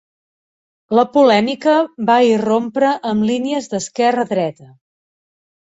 La polèmica va irrompre amb línies d'esquerra-dreta.